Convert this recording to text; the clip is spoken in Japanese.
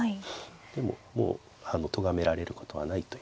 でももうとがめられることはないという。